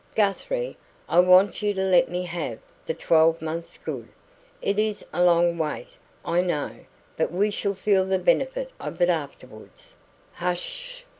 Guthrie, I want you to let me have the twelve months good. It is a long wait, I know, but we should feel the benefit of it afterwards " "Hush sh!"